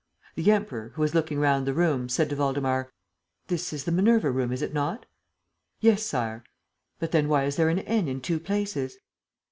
The Emperor, who was looking round the room, said to Waldemar: "This is the Minerva room, is it not?" "Yes, Sire." "But then why is there an 'N' in two places?"